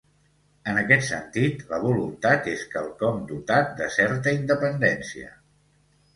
En aquest sentit, la voluntat és quelcom dotat de certa independència.